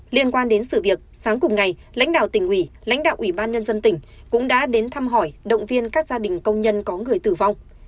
liên quan đến sự việc sáng cùng ngày lãnh đạo tỉnh ủy lãnh đạo ủy ban nhân dân tỉnh cũng đã đến thăm hỏi động viên các gia đình công nhân có người tử vong